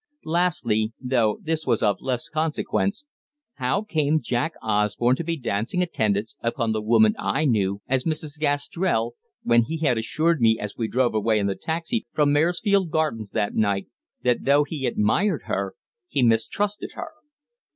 Lastly though this was of less consequence how came Jack Osborne to be dancing attendance upon the woman I knew as "Mrs. Gastrell," when he had assured me as we drove away in the taxi from Maresfield Gardens that night that though he admired her he mistrusted her?